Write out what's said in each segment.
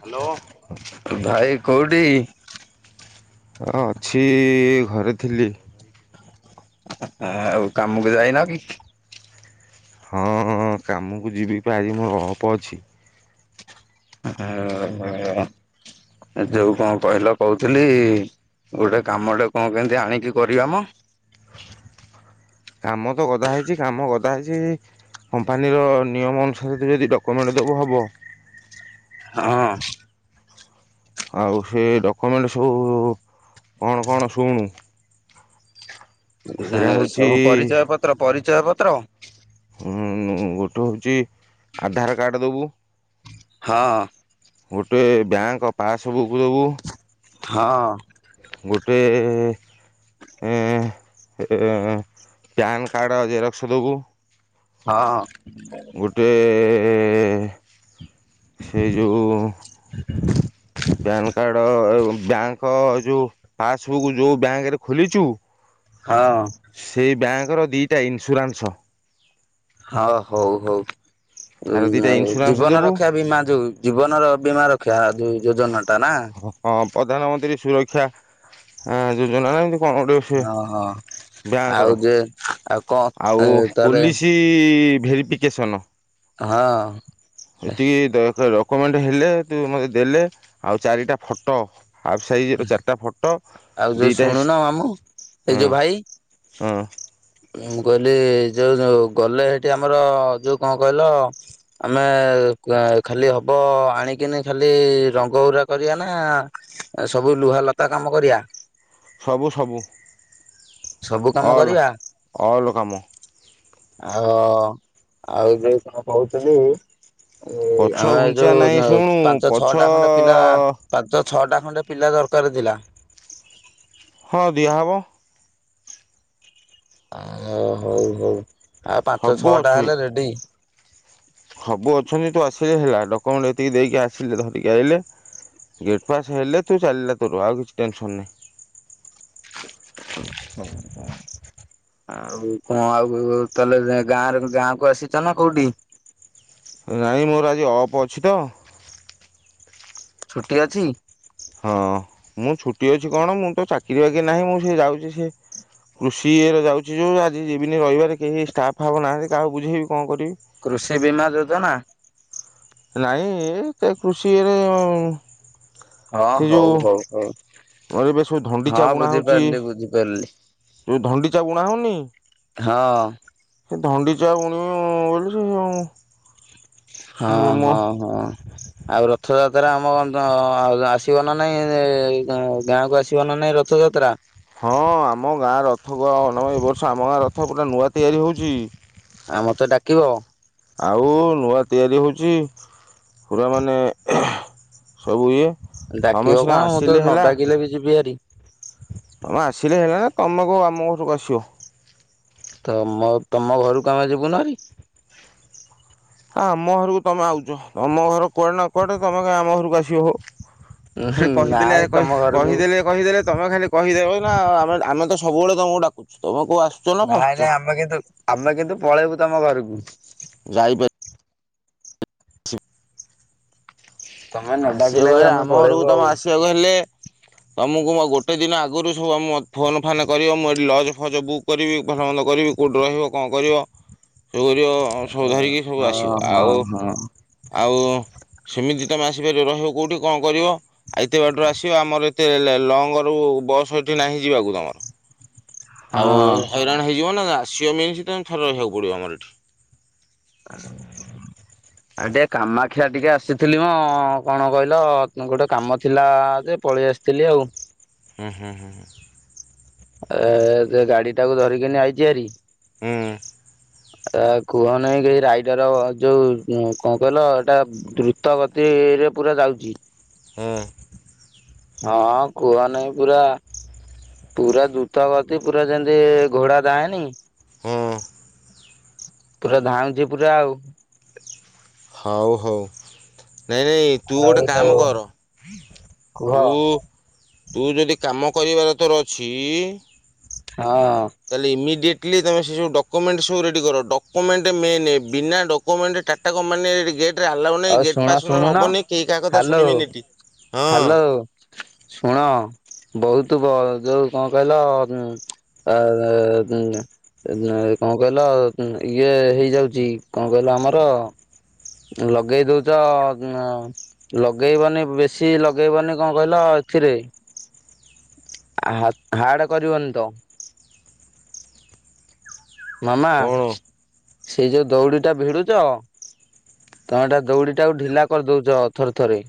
Hello. [inaudible] ଭାଇ କୋଉଠି? ହଁ ଅଛି ଘରେ ଥିଲି। ଆ ଆଉ କାମକୁ ଯାଇ ନ କି? ହଁଁ କାମକୁ ଯିବିପା ଆଜି ମୋର ଅଳପ ଅଛି [unintelligible] ଯୋଉ କଣ କହିଲ କହୁଥିଲି? ଗୋଟେ କାମଟେ କଣ କେମତି ଆଣିକି କରିବାମ କାମ ତ ଗଦା ହେଇଛି କାମ ଗଦା ହେଇଛି କମ୍ପାନୀର ନିୟମ ଅନୁସାରେ ଯଦି ଡକ୍ୟୁମେଣ୍ଟ ଦେବ ହେବ। ହଁ। ଆଉ ସେ ଡକୁମେଣ୍ଟ ସବୁ କଣ କଣ ଶୁଣୁ ସେରା ହଉଛି ସବୁ ପରିଚୟ ପତ୍ର ପରିଚୟ ପତ୍ର। ହୁଁ ଗୋଟେ ହଉଛି ଆଧାରକାର୍ଡ ଦବୁ ହଁ। ଗୋଟେ ବ୍ୟାଙ୍କ ପାସବୁକ ଦେବୁ। ହଁ। ଗୋଟେ ଏ ଏ ପ୍ୟାନକାର୍ଡ ଜେରକ୍ସ ଦେବୁ ହଁ। ଗୋଟେ ସେ ଯେଉଁ ପ୍ୟାନକାର୍ଡ ବ୍ୟାଙ୍କ ଯୋଉ ପାସବୁକ୍ ଯୋଉ ବ୍ୟାଙ୍କରେ ଖୋଲିଛୁ। ହଁ। ଦିଟା ଇନ୍ସୁରାନ୍ସ ହଁ ହଉ ହଉ। ତାର ଦୁଇଟା ଉଁ ଇନ୍ସୁରାନ୍ସ ଦେବୁ ଜୀବନରକ୍ଷା ବୀମା ଯୋଉ ଜୀବନର ବୀମା ରକ୍ଷା ଯୋଉ ଯୋଜନା ତା ନା ହଁ ପ୍ରଧାନମନ୍ତ୍ରୀ ସୁରକ୍ଷା ଆଁ ଯୋଜନା ନା ଏମିତି କ'ଣ ଗୋଟେ ସେ ହଁ ହଁ। ବ୍ୟାଙ୍କର ଆଉ ତାହେଲେ ପୋଲିସି ଭେରିଫିକେସନ୍ ହଁ। ଏତିକି ଡକୁମେଣ୍ଟ ହେଲେ ତୁ ମତେ ଦେଲେ ଆଉ ଚାରିଟା ଫଟୋ ହାଫ୍ ସାଇଜର ଚାରିଟା ଫଟୋ ଆଉ ଯୋଉ ଦୁଇଟା ଶୁଣୁନ ମାମୁଁ ଏକ୍ସ ଏଇ ହଁ ଯୋଉ ଭାଇ ହୁଁ। ମୁଁ କହିଲି ଯୋଉ ଗଲେ ହେଠି ଆମର ଯୋଉ କଣ କହିଲ ଆମେ ତେ କାଁ ଖାଲି ହବ ଆଣିକିନି ଖାଲି ରଙ୍ଗଉୁରା କରିବା ନା ସବୁ ଲୁହାଲତା କାମ କରିବା। ସବୁ ସବୁ ସବୁ କାମ ଅଲ୍ କରିବା ଅଲ୍ କାମ। ଆ ଆଉ ଯୋଉ କଣ କହୁଥିଲି ପଛ ଆମେ ଘୁଞ୍ଚା ଯୋଉ ନାହିଁ ଶୁଣୁ ପାଞ୍ଚ ପଛ ଛଅଟା ଖଣ୍ଡେ ପିଲା ପାଞ୍ଚ ଛଅଟା ଖଣ୍ଡେ ପିଲା ଦରକାର ଥିଲା। ହଁ ଦିଆ ହେବ। ଆ ହଉ ହଉ ଆଉ ପାଞ୍ଚ ସବୁ ଛଅ ଟା ଅଛି ହେଲେ ରେଡି। ସବୁ ଅଛନ୍ତି ତୁ ଆସିଲେ ହେଲା ଡକ୍ୟୁମେଣ୍ଟ ଏତିକି ଦେଇକି ଆସିଲେ ଧରିକି ଆଇଲେ ଗେଟ୍ ପାସ୍ ହେଲେ ତୁ ଚାଲିଲା ତୋର ଆଉ କିଛି ଟେନସନ୍ ନାହିଁ। ଆଉ କଣ ଆଉ ତାହଲେ ଗାଁରେ ଗାଁ କୁ ଆସିଛ ନା କୋଉଠି? ନାଇଁ ମୋର ଆଜି ଅପ୍ ଅଛି ତ। ଛୁଟି ଅଛି। ହଁ ମୁଁ ଛୁଟି ଅଛି କଣ ମୁଁ ତ ଚାକିରି ବାକିରି ନାହିଁ ମୁଁ ସେ ଯାଉଚି ସେ କୃଷି ଇଏ ରେ ଯାଉଚି ଯୋଉ ଆଜି ଯିବିନି ରବିବାର କେହି ଷ୍ଟାଫ୍ ଫାଫ ନାହାନ୍ତି କହାକୁ ବୁଝେଇବି କଣ କରି କୃଷି ବୀମା ଯୋଜନା ନାଇଁ ଇଏ ଏ କୃଷିରେ ହଁ ସେ ହଉ ହଉ ହଉ ଯୋଉ ଏବେ ସବୁ ହଁ ଧୁଣ୍ଡିଚା ବୁଣା ହେଉଚି ବୁଝିପାରିଲି ବୁଝିପାରିଲି। ଯୋଉ ଧଣ୍ଡିଚା ବୁଣା ହଉନି? ହଁ। ସେ ଧଣ୍ଡି ଚା ବୁଣିବୁ ବୋଲି ସେଉ [unintelligible] ହଁ ହଁ ହଁ। ଆଉ ରଥଯାତ୍ରା ଆମ ଆସିବ ନା ନାଇଁ ଗାଁ କୁ ଆସିବ ନା ନାଇ ରଥଯାତ୍ରା ହଁ ଆମ ଗାଁ ରଥ କୁ ଏ ବର୍ଷ ଆମ ଗାଁ ରଥ ପୁରା ନୂଆ ତିଆରି ହେଉଛି। ଆ ମତେ ଡାକିବ? ଆଉ ନୂଆ ତିଆରି ହେଉଛି ପୁରା ମାନେ ସବୁ ଇଏ ତମେ ଡାକିବ ସିନା କଣ ମୁଁ ତ ଆସିଲେ ନ ଡାକିଲେ ବି ଯିବି ହେରି। ହମ୍ ଆସିଲେ ହେଲାନା ତମେ କଉ ଆମ ଘରକୁ ଆସିବ। ତମ ତମ ଘରକୁ ଆମେ ଯିବୁନୁହେରି ଆମ ଘରକୁ ତମେ ଆଉଚ ତମ ଘର କୁଆଡେ ନା କୁଆଡେ ତମେ କାଇ ଆମ ଘରକୁ ଆସିବ ହୋ। ଖାଲି କହିଦେଲେ ନାଇଁ କହି ତମ ଘରକୁ କହିଦେଲେ କହିଦେଲେ ତମେ ଖାଲି କହିଦେବ ନା ଆମେ ଆମେ ତ ଶୁ ସବୁବେଳେ ତମକୁ ଡାକୁଛ ତମେ କହୁ ଆସୁ ନାଇଁ ନାଇଁ ଆମେ କିନ୍ତୁ ଆମେ କିନ୍ତୁ ପଳେଇବୁ ତମ ଘରକୁ ଯାଇପାରି ତମେ ନ ଆସିବା ଡାକିଲେ ବି କହି ଆମେ ଆମ ଘରକୁ ପଳେଇବୁ ତମେ ଆଉ। ଆସିବାକୁ ହେଲେ ତମକୁ ଗୋଟେ ଦିନ ଆଗରୁ ସବୁ ଆମ ମୋ ଫୋନ ଫାନ୍ କରିବ ମୁଁ ଏଠି ଲଜ୍ ଫଜ ବୁକ୍ କରିବି ଭଲ ମନ୍ଦ କରିବି କୋଉଠି ରହିବ କଣ କରିବ ସବୁ ସବୁ ଧରିକି ସବୁ ହଁ ଆସିବ ହଁ ଆଉ ହଁ ଆଉ ସେମିତି ତମେ ଆସିପାରିବ ରହିବ କୋଉଠି କଣ କରିବ ଆଉ ଏତେ ବାଟରୁ ଆସିବ ଆମର ତେଲେ ଲଙ୍ଗରୁ ବସ୍ ଏଠି ନାହିଁ ଯିବାକୁ ତମର। ଆଉ ହଁ। ହଇରାଣ ହେଇଯିବ ନା ଆସିବା ମିନ୍ସି ତମେ ଥରେ ରହିବାକୁ ପଡିବ ଆମର ଏଠି। କ [unintelligible] ଆ ଟିକେ କାମାକ୍ଷା ଟିକେ ଆସିଥିଲି ମ କଣ କହିଲ ଗୋଟେ କାମ ଥିଲା ଯେ ପଳେଇ ଆସିଥିଲି ଆଉ। ହୁଁ ହୁଁ ହୁଁ। ଏ ସେ ଗାଡି ଟାକୁ ଧରିକିନି ଆଇଛି ହେରି। ହୁଁ। ଏ କୁହନାଇ କେହି ରାଇଡର ଯୋଉ କଣ କହିଲ ଏଇଟା ଦ୍ରୁତ ଗତି ଫିରେ ପୁରା ଯାଉଛି। ହୁଁ ହଁ କୁହ ନାହିଁ ପୁରା ପୁରା ଦ୍ରୁତ ଗତି ପୁରା ଯେମିତି ଘୋଡା ଧାଏନି? ହୁଁ ପୁରା ଧାଉଁଛି ପୁରା ଆଉ ହଉ ହଉ। ନାଇଁ ନାଇଁ ତୁ ଗୋଟେ ଆଉ କାମ ଯୋଉ କର କୁହ ତୁ ତୁ ଯଦି କାମ କରିବାର ତୋ ଅଛି ହଁ ତାହେଲେ ଇମିଡିଏଟ କ୍ଲି ସେ ସବୁ ଡ୍ୟୁମେଣ୍ଟ ସବୁ ରେଡି କର ଡ୍ୟୁମେଣ୍ଟ ମେନ ବିନା ଡ୍ୟୁମେଣ୍ଟ ଟାଟା ମାନେ ଗେଟରେ ଆଲାଉ ନାଇ ଆଉ ଗେଟ ଶୁଣ ପାସ ଶୁଣୁନ ହବନି କେହି କାହା କଥା ଶୁଣିବେନି ଏଠି। ହଁ ହାଲୋ ଶୁଣ ବହୁତୁ ବ ଯୋଉ କଣ କହିଲ ଆ କଣ କହିଲ ଇଏ ହେଇଯାଉଛି କଣ କହିଲ ଆମର ଲଗେଇ ଦଉଛ ଲଗେଇବନି ବେଶୀ ଲଗେଇବନି କଣ କହିଲ ଆଖିରେ [inaudible] ହା ହାଡ କରିବନି ତ? ମାମା କ'ଣ ସେଇ ଯୋଉ ଦଉଡ଼ି ଟା ଭିଡୁଛ ତମେ ଏଇଟା ଦଉଡି ଟାକୁ ଢିଲା କରିଦଉଛ ଥରେ ଥରେ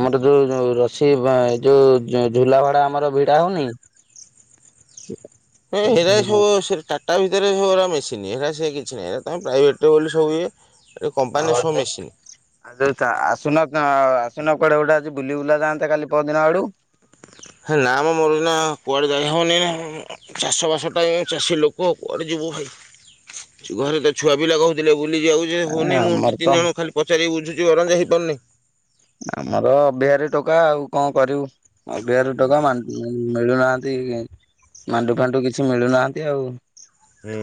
ଆମର ଯୋଉଉ ରଶି ଯୋଉ ରସି ଯୋଉ ଝୁଲା ଭଡା ଆମର ଭିଡା ହଉନି ଏ ହେରା ସବୁ ଆଉ ସେ ଟାଟା ଭିତରେ ସେଉରା ମେସିନ ହେରା ସେ କିଛି ନାହିଁ ହେରା ତାଙ୍କ ପ୍ରାଇଭେଟ୍ ରେ ବୋଲି ସବୁଏ [unintelligible] ଆସୁନା କାଁ ସୁନା କୁଡେ ଗୋଟେ ଆଜି ବୁଲି ବୁଲା ଯାଆନ୍ତେ କାଲି ପରଦିନ ଆଡୁକୁ। ହେ ନା ମ ମୋର ଏନା କୁଆଡ଼େ ଯାଇ ହବନି ଏଇନା ଚାଷ ବାସ ଟାଇମ୍ ଚାଷୀ ଲୋକ କୁଆଡ଼େ ଯିବୁ। ଘରେ ତ ଛୁଆ ପିଲା କହୁଥିଲେ ବୁ ବୁଲି ଯାଉଛି ହଉନି ମୁଁ ଦି ଆମର ତ ତିନି ଜଣ ଖାଲି ପଚାରିକି ବୁଝୁଛି ଅରେଞ୍ଜ ହେଇପାରୁନି। ଆମର ଅଭିଆରି ଟୋକା ଆଉ କଣ କରିବୁ ମାଣ୍ଡ ଅଭିଆରି ଟୋକା ମିଳୁନାହାନ ନ୍ତି ମାଣ୍ଡୁ ଫାଣ୍ଡୁ କିଛି ମିଳୁନାହାନ୍ତି ଆଉ। ହୁଁ।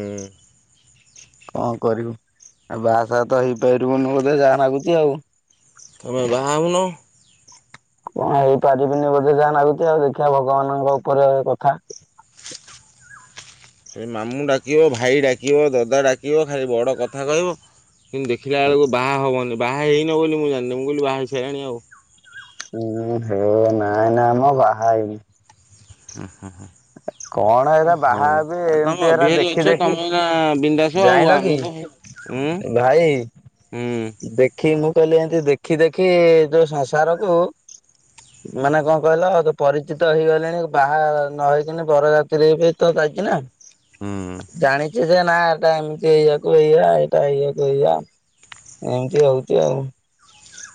କଣ କରିବୁ ଆ ବାହାସାହା ତ ହେଇପାରିବୁନି ବୋଧେ ଯାହା ନାଗୁଚି ଆଉ। ତମେ ‌ବାହା ହଉନୁ। କଣ ହେଇପାରିବିନି ବୋଧେ ଯାହା ନାଗୁଚି ଆଉ ଦେଖିବା ଭଗବାନଙ୍କ ଉପରେ କଥା। ସେ ମାମୁଁ ଡାକିବ ଭାଇ ଡାକିବ ଦଦା ଡାକିବ ଖାଲି ବଡ଼ କଥା କହିବ। କିନ୍ତୁ ଦେଖିଲା ବେଳକୁ ବାହା ହବନି ବାହା ହେଇନ ବୋଲି ମୁଁ ଜାଣିନି ମୁଁ କହିଲି ବାହା ହେଇସାଣି ଆଉ। ଓ ହୋ ନା ନା ମ ବାହା ହେଇନି। କଣ ଉଁ ଏରା ବାହା ହୁଁ। ହେବି ହଉ ଏମିତି ତମେ ଏରା ଅଭିୟ ଦେଖି ଅଛ ଦେଖି ତମ ନା ବିନ୍ଦାସ ଆଉ ଜାଇଁଲ କି ଆମେ ତ ହୁଁ ଭାଇ ହୁଁ ଦେଖି ମୁଁ। କହିଲେ ଏମତି ଦେଖି ଦେଖି ଯୋଉ ସଂସାରକୁ ମାନେ କଣ କହିଲ ତ ପରିଚିତ ହେଇଗଲେଣି ବାହା ନ ହେଇ ଦିନ ବରଯାତ୍ରୀ ବି ଯାଇଥିଲେ ବି ତ ଯାଇଛି ନା ଜାଣିଛି। ନା ଏଇଟା ଏମିତି ଏଇଆକୁ ଏଇଆ ଏଇଟା ହେଇଆକୁ ଏଇଆ ଏମିତି ହଉଛି ଆଉ।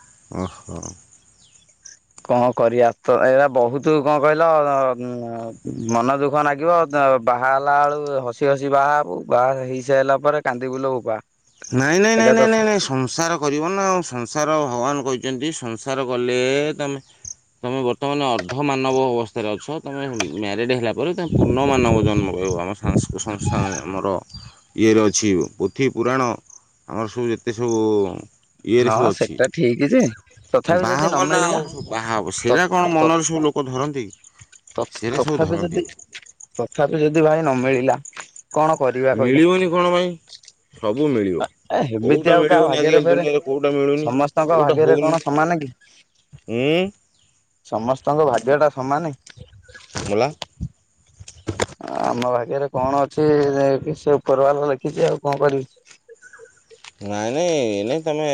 [inaudible] କଣ କରିବା ତ ଏ ବହୁତ କଣ କହିଲ ମନ ଦୁଃଖ ଲାଗିବ। ବାହା ହେଲା ବେଳୁ ହସି ହସି ବାହା ହେବୁ ବାହା ହେଇ ସାରିଲା ପରେ କାନ୍ଦି ବୁଲବ ବା ନାଇଁ ନାଇଁ ନାଇଁ ନାଇଁ ନାଇଁ ନାଇଁ ସଂସାର କରିବ ନା ଆଉ ସଂସାର ଭଗବାନ କହିଛନ୍ତି। ସ ସଂସାର କଲେ ତମେ ତମେ ବର୍ତ୍ତମାନ ଅର୍ଦ୍ଧ ମାନବ ଅବସ୍ଥାରେ ଅଛ। ତୁମେ ମ୍ୟାରିଡ଼୍ ହେଲା ପରେ ତାମେ ପୂର୍ଣ୍ଣମାନବ ଜନ୍ମ କବ ଆମ ସଂସ୍ଥ ଆମର ଇଏରେ ଅଛି ପୋଥି ପୁରାଣ ଆମର ସବୁ ଯେତେ ସବୁ ଇଏରେ ସବୁ ହଁ ଅଛି ସେଟା ଠିକ ଯେ ତଥାପି ଯଦି ନ ବାହାଘବ ନା ମିଳିଲା ଆଉ ସବୁ ବାହାର ତ ସେଇଟା କଣ ମନରେ ସବୁ ଲ ଲୋକ ଧରନ୍ତି ସେରା ସବୁ ତଥାପି ଯଦି ଧରନ୍ତିନି ତଥାପି ଯଦି ଭାଇ ନ ମିିଳିଲା କଣ କରିବା କହିଲ ମିଳିବନି କଣ ପାଇଁ ସବୁ ମିଳିବ ଏ କୋଉଟା ଏମିତି ଆଉ କାହା ମିଳିବନି ଭାଗ୍ୟରେ ଆଜିକାଲି ଫରେ ଦୁନିଆରେ କୋଉଟା ମିଳୁନି ସମସ୍ତଙ୍କ ଭାଗ୍ୟରେ କଣ ସମାନେ ହଁ। ସମସ୍ତଙ୍କ ଭାଗ୍ୟ ଟା ସମାନ। ମଲା ଆମ ଭାଗ୍ୟରେ କଣ ଅଛି ସେ ଉପର ବାଲା ଲେଖିଛି ଆଉ କଣ କରିବି ନାଇଁ ନାଇଁ ଏ ନାଇ ତମେ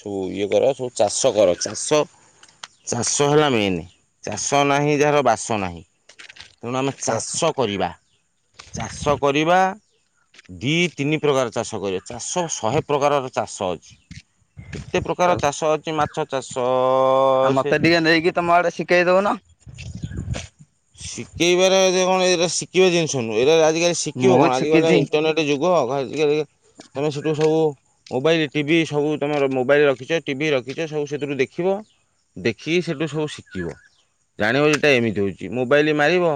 ସବୁ ଇଏ କର ସବୁ ଚାଷ କର ଚାଷ ଚାଷ ହେଲା ମେନ୍ ଚାଷ ନାହିଁ ଯାହାର ବାସ ନାହିଁ। ତେଣୁ ଆମେ ଆଉ ଚାଷ କରିବା ଚାଷ କରିବା। ଦି ତିନି ପ୍ରକାର ଚାଷ କରିବା ଚାଷ ଶହେ ପ୍ରକାରର ଚାଷ ଅଛି। କେତେ ପ୍ରକାର ଚାଷ ଅଛି ମାଛ ଚାଷ ଆଉ ସେ ମତେ ଟିକେ ନେଇକି ତମ ଆଡେ ଶିଖେଇ ଦଉନ। ଶିଖେଇବାର ଏଥିରେ କଣ, ଏଟା ଶିଖିବା ଜିନିଷ ନୁହେଁ ଏଇଟା ଆଜିକାଲି ଶିଖିବ ମୁଁ କଣ ଆଜିକାଲି ତ ଶିଖିଛି। ଇଣ୍ଟରନେଟ୍ ଯୁଗ୍ କୁହ କଣ ହେଇଛି [inaudible] ତମେ ସେଠୁ ସବୁ ମୋବାଇଲ୍ ଟିଭି ସବୁ ତମର ମୋବାଇଲ୍ ରଖିଛ ଟିଭି ରଖିଛ ସବୁ ସେଥିରୁ ଦେଖିବ। ଦେଖିକି ସେଇଠୁ ସବୁ ଶିଖିବ, ଜାଣିବ ଏଟା ଏମିତି ହଉଛି ମୋବାଇଲ ମାରିବ।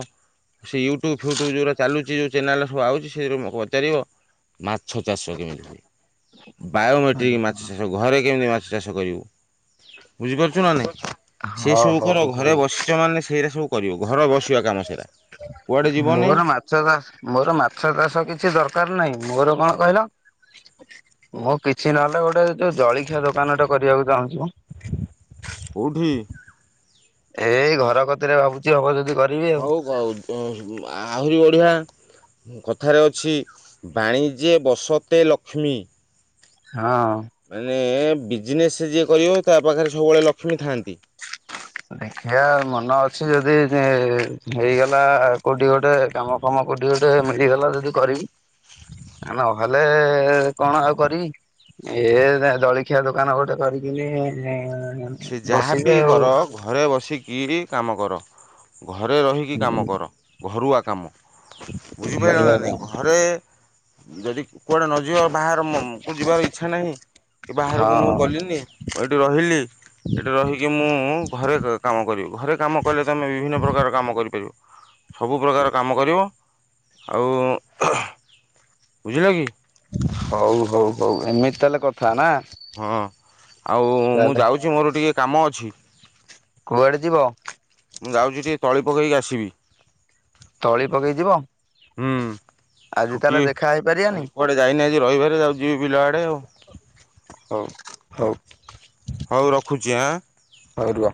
ସେ ୟୁଟ୍ୟୁବ୍ ଫୁଟ୍ୟୁବ୍ ଯୋଉଗୁରା ଚାଲୁଛି ଯୋଉ ଚେନାଲ୍ ସବୁ ଆଉଛି ସେରୁ ପଚାରିବ। ମାଛ ଚାଷ କେମିତି ହୁଏ? ହଁ ବାୟୋମେଟ୍ରିକ୍ ମାଛ ଚାଷ, ଘରେ କେମିତି ମାଛ ଚାଷ କରିବୁ? ବୁଝିପାରୁଛୁ ନା ନାହିଁ, ସେ ସବୁ କର ହଉ ହଉ ଘରେ ବସିଛ ମାନେ ସେଇରା ସବୁ କରିବ ଘର ବସ୍ ମୋର ମାଛ ଚାଷ୍ ମୋର ମାଛ ଚାଷ କିଛି ଦରକାର ନାହିଁ। ମୋର କଣ କହିଲ? ମୁଁ କିଛି ନହେଲେ ଗୋଟେ ଯୋଉ ଜଳଖିଆ ଦୋକାନଟେ କରିବାକୁ ଚାହୁଁଛି ମ କୋଉଠି? ଏଇ ଘର କତିରେ ଭାବୁଛି ହବ ଯଦି। କରିବି ଆଉ ହଉ ହଉ ଆହୁରି ବଢିଆ। କଥାରେ ଅଛି ବାଣିଜ୍ୟେ ବସତେ ଲକ୍ଷ୍ମୀ। ହଁ। ମାନେ ବିଜନେସ୍ ଯିଏ କରିବ ତା ପାଖରେ ସବୁବେଳେ ଲକ୍ଷ୍ମୀ ଥାଆନ୍ତି‌ ଦେଖିବା ମନ ଅଛି ଯଦି ହେଇଗଲା କୋଉଠି ଗୋଟେ କାମଫାମ। କୋଉଠି ଗୋଟେ ମିଳିଗଲା ଯଦି କରିବି। ନହେଲେଏ-ଏ-ଏ କଣ ଆଉ କରିବି ଏ ଜଳିଖିଆ ଦୋକାନ ଗୋଟେ କରିବି। [inaudible] ସେ ଯାହାବି କର ଘ ଘରେ ବସିକି କାମ କର, ଘରେ ରହିକି କାମ କର, ଘରୁଆ କାମ। ବୁଝିପାରିଲ ନା ଘରୁଆ ନାଇଁ, କାମ ଘରେ ଯଦି କୁଆଡେ ନଯିବ ବାହାର ମୁଁମୁଁ କୁ ଯିବାର ଇଚ୍ଛା ନାହିଁ କି ବାହାରକୁ ମୁଁ ହଁ ଗଲିନି ମୁଁ ଏଇଠି ରହିଲି ଏଠି ରହିକି ମୁଁ ଘରେ କାମ କରିବି ଘରେ କାମ କଲେ ତମେ ବିଭିନ୍ନ ପ୍ରକାର କାମ କରି କରିବ, ସବୁ ପ୍ରକାର କାମ କରିବ। ଆଉ, ବୁଝିଲ କି? ହଉ ହଉ ହଉ ଏମିତି ତାହେଲେ କଥା ନା? ହଁ, ଆଉ ମୁଁ ତାହେଲେ ଯାଉଛି ମୋର ଟିକେ କାମ ଅଛି। କୁଆଡେ ଯିବ? ମୁଁ ଯାଉଛି ଟିକେ ତଳି ପକେଇକି ଆସିବି। ତଳି ପକେଇ ଯିବ? ହୁଁ। ଆଜି ତାହେଲେ ଛୁଟି, ଦେଖା ହେଇପାରିବାନି ଆଜି କୁଆଡ଼େ ଯାଇନି ଆଜି ରଇବାରେ ଯାଉଚି ଯିବି ବିଲ ଆଡ଼େ ଆଉ। ହଉ। ହଉ। ହଉ ରଖୁଛି ଆଁ। ହଉ ରୁହ।